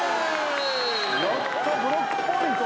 やったブロックポイント。